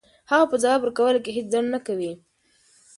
هغه په ځواب ورکولو کې هیڅ ځنډ نه کوي.